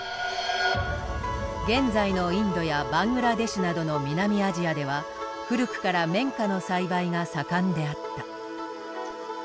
現在のインドやバングラデシュなどの南アジアでは古くから綿花の栽培が盛んであった。